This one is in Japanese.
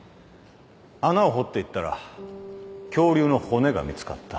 穴を掘っていったら恐竜の骨が見つかった。